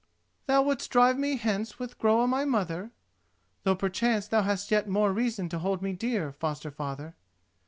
"Thou wouldst drive me hence with Groa my mother, though perchance thou hast yet more reason to hold me dear, foster father.